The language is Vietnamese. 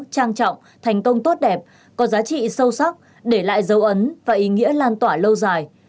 trang trọng thành công tốt đẹp có giá trị sâu sắc để lại dấu ấn và ý nghĩa lan tỏa lâu dài